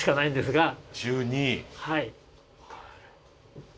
はい。